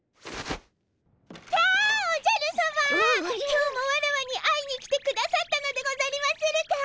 今日もワラワに会いに来てくださったのでござりまするか？